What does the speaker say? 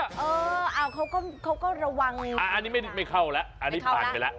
เออเขาก็ระวังอันนี้ไม่เข้าแล้วอันนี้ผ่านไปแล้ว